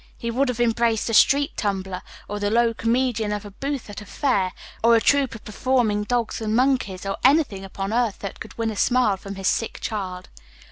He would have embraced a street tumbler, or the low comedian of a booth at a fair, or a troop of performing dogs and monkeys, or anything upon earth that could win a smile from his sick child.